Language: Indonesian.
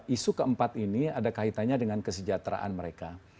isu keempat ini ada kaitannya dengan kesejahteraan mereka